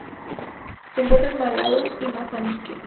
Se encuentra en Malaui y Mozambique.